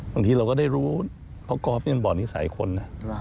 บางทีเราก็ได้รู้เพราะกอล์ฟนี่มันบ่อนิสัยคนนะ